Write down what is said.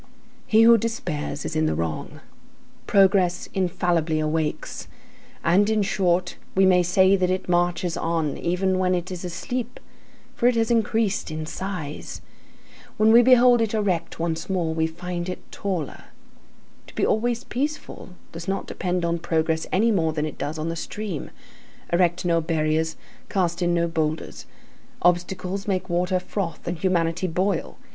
He who despairs is in the wrong. Progress infallibly awakes, and, in short, we may say that it marches on, even when it is asleep, for it has increased in size. When we behold it erect once more, we find it taller. To be always peaceful does not depend on progress any more than it does on the stream; erect no barriers, cast in no boulders; obstacles make water froth and humanity boil.